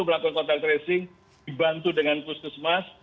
melakukan contact tracing dibantu dengan khusus mas